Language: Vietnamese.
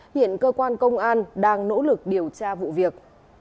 hiện cơ quan công an đang nỗ lực điều tra vụ việc